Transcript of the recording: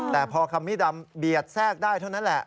แต่พอคัมมี่ดำเบียดแทรกได้เท่านั้นแหละ